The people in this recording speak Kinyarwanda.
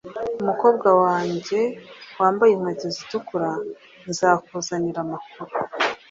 Umukobwa wanjye wambaye inkweto zitukura nzakuzanira amakuru